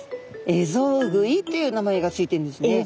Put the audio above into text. エゾウグイという名前がついているんですね。